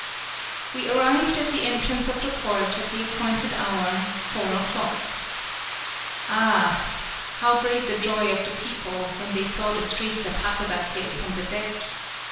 We arrived at the entrance of the port at the appointed hour, four o'clock. Ah! How great the joy of the people when they saw the streets of Hakodate from the deck!